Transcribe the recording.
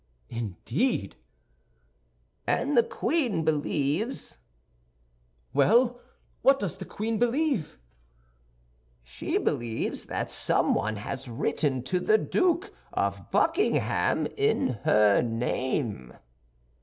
"Indeed!" "And the queen believes—" "Well, what does the queen believe?" "She believes that someone has written to the Duke of Buckingham in her name."